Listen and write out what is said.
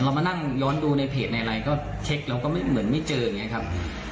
มานั่งย้อนดูในเพจในอะไรก็เช็คเราก็เหมือนไม่เจออย่างนี้ครับ